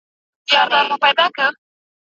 داسي ئې هم تعريف کړی دی.